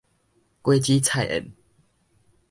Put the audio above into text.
果子菜燕